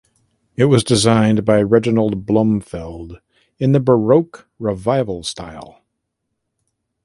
It was designed by Reginald Blomfield in the Baroque revival style.